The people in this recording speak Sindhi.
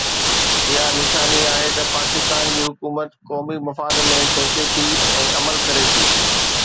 اها نشاني آهي ته پاڪستان جي حڪومت قومي مفاد ۾ سوچي ٿي ۽ عمل ڪري ٿي.